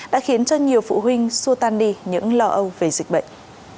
đã khiến cho nhiều phụ huynh xua tan đi những lo âu về dịch bệnh